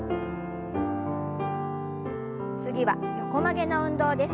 次は横曲げの運動です。